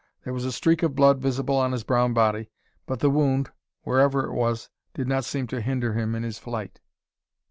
There was a streak of blood visible on his brown body, but the wound, wherever it was did not seem to hinder him in his flight.